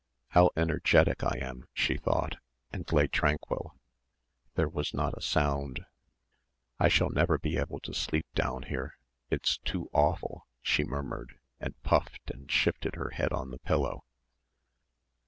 How energetic I am, she thought and lay tranquil. There was not a sound. "I shall never be able to sleep down here, it's too awful," she murmured, and puffed and shifted her head on the pillow.